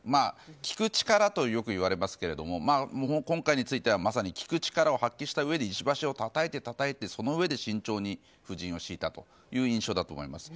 聞く力とよく言われますけど今回についてはまさに聞く力を発揮したうえで石橋をたたいて、たたいてそのうえで慎重に布陣を敷いたという印象だと思います。